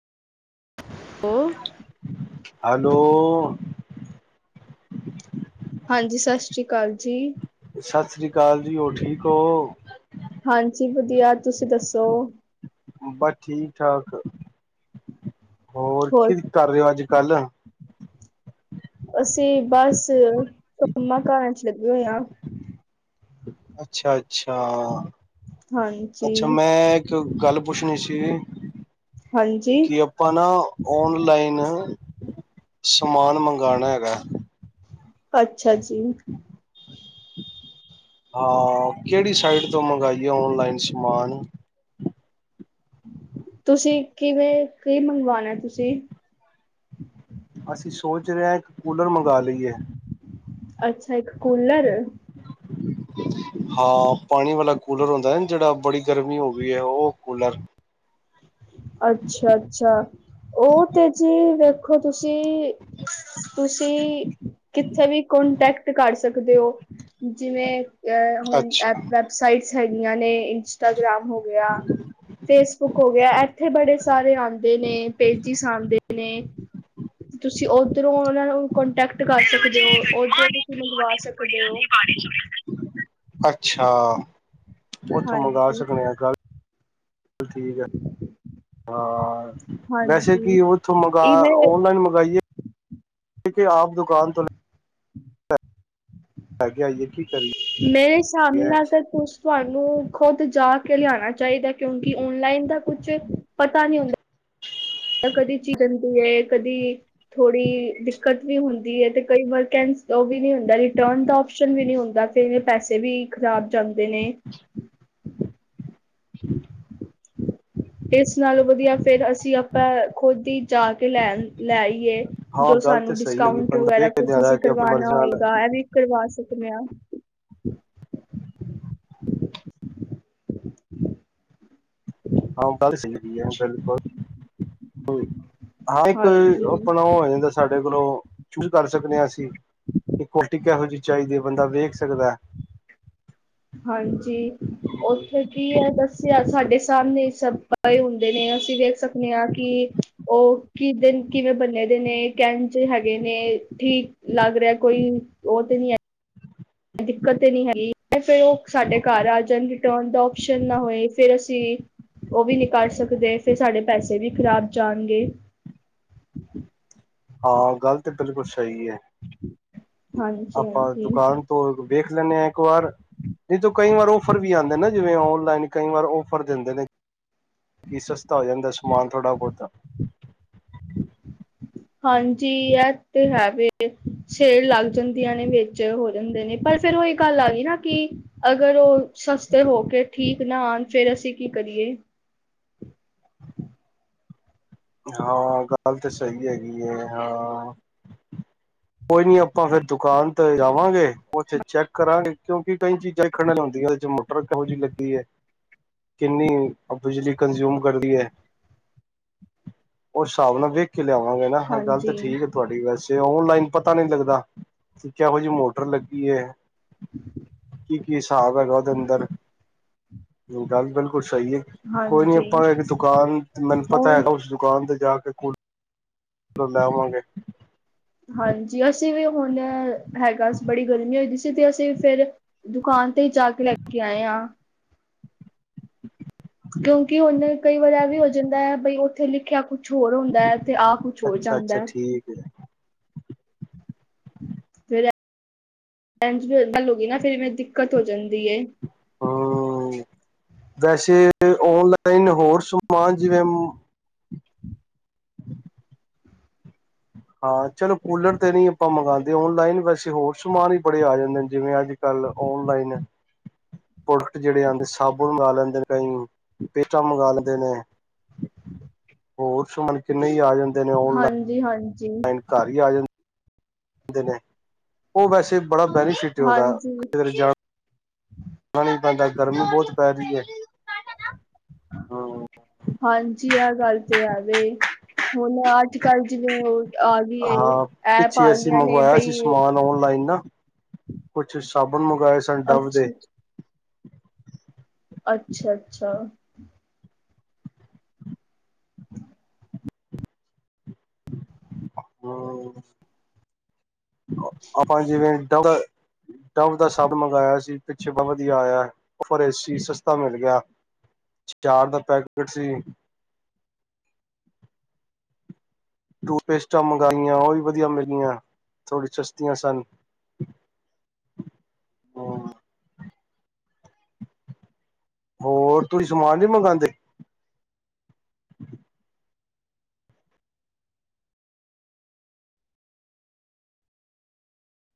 ਹੋ ਹੈਲੋ, ਹਾਂਜੀ ਸਤਿ ਸ਼੍ਰੀ ਅਕਾਲ ਜੀ, ਸਤਿ ਸ਼੍ਰੀ ਅਕਾਲ ਜੀ ਹੋਰ ਠੀਕ ਹੋ, ਹਾਂਜੀ ਵਧੀਆ ਤੁਸੀਂ ਦੱਸੋ। ਬਸ ਠੀਕ ਠਾਕ, ਹੋਰ ਕੀ ਕਰ ਰਹੇ ਹੋ ਅੱਜ ਕੱਲ। ਅਸੀਂ ਬਸ ਕੰਮਾ ਕਾਰਾਂ ਚ ਲੱਗੇ ਹੋਏ ਹਾ। ਅੱਛਾ-ਅੱਛਾ, ਹਾਂਜੀ ਅੱਛਾ ਮੈਂ, ਤੇ ਉਹ ਗੱਲ ਪੁੱਛਣੀ ਸੀ। ਹਾਂਜੀ। ਕਿ ਆਪਾਂ ਨਾ ਔਨਲਾਈਨ ਸਮਾਨ ਮੰਗਾਣਾ ਹੈਗਾ। ਅੱਛਾ ਜੀ। ਹਾਂ ਕਿਹੜੀ ਸਾਈਟ ਤੋਂ ਮੰਗਾਈਏ ਓਨਲਾਈਨ ਸਮਾਨ? ਤੁਸੀਂ ਕਿਵੇਂ, ਕੀ ਮੰਗਵਾਉਣਾ ਤੁਸੀਂ? ਅਸੀਂ ਸੋਚ ਰਹੇ ਹਾਂ ਇੱਕ ਕੂਲਰ ਮੰਗਵਾ ਲਈਏ। ਅੱਛਾ ਇੱਕ ਕੂਲਰ ਹਾਂ ਪਾਣੀ ਵਾਲਾ ਕੂਲਰ ਹੁੰਦਾ ਜਿਹੜਾ, ਬੜੀ ਗਰਮੀ ਹੋ ਗਈ ਐ ਉਹ ਕੂਲਰ ਅੱਛਾ-ਅੱਛਾ ਉਹ ਤੇ ਜੀ ਵੇਖੋ ਤੁਸੀਂ ਤੁਸੀਂ ਕਿੱਥੇ ਵੀ ਕੋਂਟੈਕਟ ਕਰ ਸਕਦੇ ਓ। ਜਿਵੇਂ ਏਹ ਹੁਣ ਐਬ ਅੱਛਾ ਵੈੱਬ ਸਾਈਟਸ ਹੈਗੀਆਂ ਨੇ ਇੰਸਟਾਗ੍ਰਾਮ ਹੋ ਗਿਆ, ਫੇਸਬੁੱਕ ਹੋ ਗਿਆ ਐਹ ਬੜੇ ਸਾਰੇ ਆਉਂਦੇ ਨੇ ਪੇਜਿਸ ਆਉਂਦੇ ਨੇ ਤੁਸੀਂ ਓਧਰੋਂ ਉਹਨਾਂ ਨੂੰ ਕੋਂਟੈਕਟ ਕਰ ਸਕਦੇ ਹੋ ਓਧਰੋਂ ਤੁਸੀਂ ਮੰਗਵਾ ਸਕਦੇ। ਤੁਡੇ ਉਹ ਪਾਣੀ ਚ ਅੱਛਾ, ਉੱਥੋਂ ਮੰਗਵਾ ਹਾਂਜੀ ਸਕਦੇ ਆ ਗੱਲ ਲ ਠੀਕ ਐ, ਹਾਂ ਵੈਸੇ ਹਾਂਜੀ ਕਿ ਉਹ ਉੱਥੋਂ ਮੰਗਾ, ਇਵੇਂ ਔਨਲਾਈਨ ਮੰਗਈਏ ਆਪ ਦੁਕਾਨ ਤੋਂ ਲੈ ਕੇ ਆਈਏ ਕੀ ਕਰੀਏ? ਮੇਰੇ ਸਮਣੇ ਆ ਕੇ ਤੁਸ ਤੁਹਾਨੂੰ ਖੁਦ ਜਾ ਕੇ ਲਿਆਉਣਾ ਚਾਹੀਦਾ, ਕਿਉਂਕਿ ਔਨਲਾਈਨ ਦਾ ਕੁਛ ਪਤਾ ਨਹੀਂ ਹੁੰਦਾ। ਤ ਕਦੀ ਹਦੀ ਐ ਕਦੀ ਥੋੜੀ ਦਿੱਕਤ ਵੀ ਹੁੰਦੀ ਹੈ ਤੇ ਕਈ ਵਾਰ ਕੇਂਸ ਉਹ ਵੀ ਨੀ ਹੁੰਦਾ ਰਿਟਰਨ ਦਾ ਓਪਸ਼ਨ ਵੀ ਨਹੀਂ ਹੁੰਦਾ। ਕਈ ਵਾਰੀ ਪੈਸੇ ਵੀ ਖਰਾਬ ਜਾਂਦੇ ਨੇ। [unintelligible] [unintelligible] ਇਸ ਨਾਲੋਂ ਵਧੀਆ ਫੇਿਰ ਅਸੀਂ ਆਪਾਂ ਖੁਦ ਹੀ ਜਾ ਕੇ ਲੈਣ ਲੈ ਆਈਏ। ਹਾਂ ਜੋ ਗੱਲ ਤੇ ਸਾਨੂੰ ਸਹੀ ਹੈਗੀ ਡਿਸਕਾਊਂਟ ਬੰਦਾ ਵਗੈਰਾ ਵੇਖ ਕੇ ਕੁਛ ਲਿਆਂਦਾ ਅਸੀਂ ਕਿ ਆਪਣੀ ਮਰਜ਼ੀ ਕਰਵਾਣਾ ਨਾਲ ਹੋਏਗਾ ਇਹ ਵੀ ਕਰਵਾ ਸਕਨੇ ਆ। [unintelligible] ਹਾਂ ਗੱਲ ਸਹੀ ਵੀ ਐ ਬਿਲਕੁਲ। ਹਾਂ ਇੱਕ ਹਾਂਜੀ। ਆਪਣਾ ਉਹ ਹੋ ਜਾਂਦਾ ਸਾਡੇ ਕੋਲੋਂ ਚੂਜ਼ ਕਰ ਸਕਨੇ ਹਾਂ ਅਸੀਂ। ਕਿ ਕੁਆਲਿਟੀ ਕਿਹੋ ਜਿਹੀ ਚਾਹੀਦੀ ਐ, ਬੰਦਾ ਵੇਖ ਸਕਦਾ। ਹਾਂਜੀ ਉੱਥੇ ਕੀ ਹੈ ਦੱਸਿਆ ਸਾਡੇ ਸਾਹਮਣੇ ਸਭ ਤੈ ਹੁੰਦੇ ਨਾ ਅਸੀਂ ਵੇਖ ਸਕਨੇ ਆਂ ਕਿ ਉਹ ਕਿਦਿਨ ਕਿਵੇਂ ਬੰਨੇ ਦੇ ਨੇ ਕਹਿਣ ਹੈ ਹੈਗੇ ਨੇ ਠੀਕ ਲੱਗ ਰਿਹਾ ਕੋਈ ਉਹ ਤੇ ਨੀ ਹੈ। ਦਿੱਕਤ ਤੇ ਨਹੀਂ ਹੈਗੀ ਫੇਰ ਉਹ ਸਾਡੇ ਘਰ ਆ ਜਾਣ ਰਿਟਰਨ ਦਾ ਆਪਓਸ਼ਨ ਨਾ ਹੋਏ ਫੇਿਰ ਅਸੀਂ ਉਹ ਵੀ ਨੀ ਕਰ ਸਕਦੇ ਫਿਰ ਸਾਡੇ ਪੈਸੇ ਵੀ ਖ਼ਰਾਬ ਜਾਣਗੇ। ਹਾਂ ਗੱਲ ਤੇ ਬਿਲਕੁਲ ਸਹੀ ਐ। ਹਾਂਜੀ ਆਪਾਂ ਹਾਂਜੀ ਦੁਕਾਨ ਤੋਂ ਦੇੇਖ ਲੈਂਨੇ ਹਾਂ ਇੱਕ ਵਾਰ, ਨਹੀਂ ਤਾਂ ਕਈ ਵਾਰ ਔਫਰ ਵੀ ਆਉਂਦੇ ਨਾ ਜਿਵੇਂ ਔਨਲਾਈਨ ਕਈ ਵਾਰ ਆਫਰ ਦਿੰਦੇ ਨੇ। ਕਿ ਸਸਤਾ ਹੋ ਜਾਂਦਾ ਸਮਾਨ ਥੋੜ੍ਹਾ ਬਹੁਤਾ। ਹਾਂਜੀ ਇਹ ਤੇ ਹੈ ਵੀ। ਸ਼ੇਲ ਲੱਗ ਜਾਂਦੀਆਂ ਨੇ ਵਿੱਚ ਹੋ ਜਾਂਦੇ ਨੇ, ਪਰ ਫੇਰ ਉਹ ਇਹ ਗੱਲ ਆ ਗਈ ਨਾ ਕਿ। ਅਗਰ ਉਹ ਸਸਤੇ ਹੋ ਕੇ ਠੀਕ ਨਾ ਆਉਣ ਫੇਰ ਅਸੀਂ ਕੀ ਕਰੀਏ? ਹਾਂ ਗੱਲ ਤਾਂ ਸਹੀ ਹੈਗੀ ਹੈ, ਹਾਂ। ਕੋਈ ਨੀ ਆਪਾਂ ਫੇਰ ਦੁਕਾਨ ਤੇ ਜਾਵਾਂਗੇ ਉੱਥੇ ਚੈੱਕ ਕਰਾਂਗੇ ਕਿਉਂਕਿ ਕਈ ਚੀਜ਼ਾਂ ਵੈਖਣ ਨ ਹੁੰਦੀਆਂ ਨੇ ਜਮਾ ਟਰ ਕੇਹੋ ਜਿਹੀ ਲੱਗੀ ਹੈ ਕਿੰਨੀ ਬਿਜਲੀ ਕੰਜਊਮ ਕਰਦੀ ਐ। ਉਹ ਸ਼ਾਬ ਨਾਲ ਵੇਖ ਕੇ ਲਿਆਵਾਂਗੇ ਨਾ ਹਰ ਗਲ ਤੇ ਹਾਂਜੀ ਠੀਕ ਏ। ਤੁਹਾਡੀ ਵੈਸੇ ਓਨਲਾਈਨ ਪਤਾ ਨਈ ਲੱਗਦਾ ਕਿ ਕੇਹੋਜੀ ਮੋਟਰ ਲੱਗੀ ਏ। ਕੀ ਕੀ ਹਿਸਾਬ ਹੈਗਾ ਉਹਦੇ ਅੰਦਰ ਜੋ ਗੱਲ ਬਿਲਕੁਲ ਸਹੀ ਏ। ਕੋਈ ਨੀ ਹਾਂਜੀ ਆਪਾਂ ਇੱਕ ਦੁਕਾਨ ਮੈਨੂੰ ਉਹ ਪਤਾ ਹੈਗਾ ਉਸ ਦੁਕਾਨ ਤੇ ਜਾ ਕੇ ਕੁਲ ਪਰ ਲੈਵਾਗੇਂ। ਹਾਂਜੀ ਅਸੀਂ ਵੀ ਹੁਣ ਹੈਗਾ ਸੀ ਬੜੀ ਗਰਮੀ ਹੋਈ ਦੀ ਸੀ ਤੇ ਅਸੀਂ ਫੇਰ ਦੁਕਾਨ ਤੇ ਈ ਜਾ ਕੇ ਲੈ ਕੇ ਆਏ ਆਂ। ਹਮ [inaudible] [inaudible] ਕਿਉਂਕਿ ਉਹਨੇ। ਕਈ ਵਾਰ ਇਹ ਵੀ ਹੋ ਜਾਂਦਾ ਬਈ ਉੱਥੇ ਲਿਖਿਆ ਕੁਛ ਹੋਰ ਹੁੰਦਾ ਤੇ ਆ ਕੁਛ ਹੋਰ ਜਾਂਦਾ। ?? [inaudible] [inaudible] ਫ਼ੇਰ ਏਂਜ ਮੇਰੇ ਨਾਲ ਹੋ ਗਈ ਨਾ ਫੇਰ ਮੇਰੇ ਦਿੱਕਤ ਹੋ ਜਾਂਦੀ ਏ। ਹ ਵੈਸੇ ਔਨਲਾਈਨ ਹੋਰ ਸਮਾਨ ਜਿਵੇਂ। ?? [inaudible] ਹਾਂ ਚਲੋ ਕੂਲਰ ਤੇ ਨਹੀਂ ਆਪਾਂ ਮੰਗਾਂਦੇ ਔਨਲਾਈਨ ਵੈਸੇ ਹੋਰ ਸਮਾਨ ਈ ਬੜੇ ਆ ਜਾਂਦੇ ਨੇ ਜਿਵੇਂ ਅੱਜ। ਕੱਲ ਔਨਲਾਈਨ। ਪ੍ਰੋਡਕਟ ਜਿਹੜੇ ਆਂਦੇ ਸਾਬੁਨ ਮੰਗਾ ਲੈਂਦੇ ਨੇ ਕਈ ਪੇਸਟਾਂ ਮੰਗਾ ਲੈਂਦੇ ਨੇ। ਹੋਰ ਸ਼ਮਨ ਕਿੰਨੇ ਹੀ ਆ ਜਾਂਦੇ ਨੇ ੳਨਲਾਈਨ। ਜੀ ਹਾਂਜੀ। ਨਹੀ ਘਰ ਹੀ ਆ ਜਾਂ। ਆਂਦੇ ਉਹ ਵੈਸੇ ਬੜਾ ਬੈਨੀਫਿਟ ਏ ਉਹਦਾ ਦਾ ਹਾਂਜੀ ਕਿਧਰੇ ਜਾ ਜਾਣਾ ਨੀ ਪੈਂਦਾ ਗਰਮੀ ਬਹੁਤ ਪੈ ਰਹੀ ਏ। ਹਾਂਜੀ ਇਹ ਗੱਲ ਤੇ ਹੈ ਵੇ ਹੁਨ ਆ। ਅੱਜ ਕੱਲ ਜੋ ਆ ਗਈ ਏ ਹਾਂ ਐਪ ਆ ਪਿੱਛੇ ਅਸੀਂ ਗਈਆਂ ਨੇ ਮੰਗਵਾਇਆ ਸੀ ਬਈ ਸਮਾਨ ਔਨਲਾਈਨ ਨਾ ਕੁਛ ਸਾਬਨ ਮੰਗਾਏ ਸਨ ਡੱਵ ਦੇ। ਅੱਛਾ ਅੱਛਾ ਅੱਛਾ। ਹ ਆਪਾਂ ਜਿਵੇਂ ਡਵ ਡਵ ਦਾ ਸੈਟ ਮੰਗਾਏਆ ਸੀ ਪਿੱਛੇ ਬੜਾ ਵਦਿਆ ਆਏਆ ਪਰ ਇਹ ਸੀ ਸਸਤਾ ਮਿਲ ਗਿਆ। ਚ ਚਾਰ ਦਾ ਪੈਕਟ ਸੀ। ਟੂਥਪੇਸਟਾਂ ਮੰਗਾਇਆਂ ਉਹੀ ਵਦਿਆ ਮਿਲੀਆਂ ਥੋੜ੍ਹੀ ਸਸਤੀਆਂ ਸਨ। ਹੋਰ ਤੁਸੀ ਸਮਾਨ ਨੀ ਮੰਗਾਦੇ।